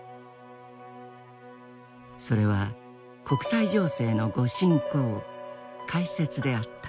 それは国際情勢の御進講解説であった。